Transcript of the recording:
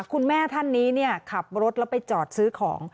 คุณแม่ท่านนี้ขับรถแล้วไปจอดซื้อของ